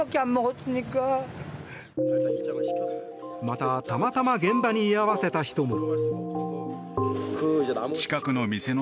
また、たまたま現場に居合わせた人も。